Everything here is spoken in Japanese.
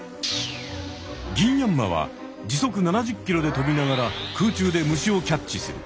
ギンヤンマは時速７０ｋｍで飛びながら空中で虫をキャッチする。